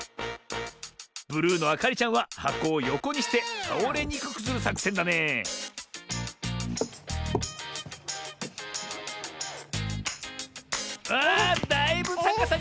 ブルーのあかりちゃんははこをよこにしてたおれにくくするさくせんだねあだいぶたかさにさがでてきたな。